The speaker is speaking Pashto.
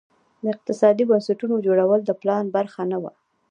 د اقتصادي بنسټونو جوړول د پلان برخه نه وه.